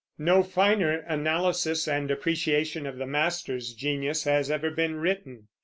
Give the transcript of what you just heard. No finer analysis and appreciation of the master's genius has ever been written.